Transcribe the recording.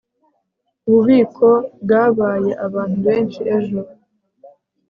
ububiko bwabaye abantu benshi ejo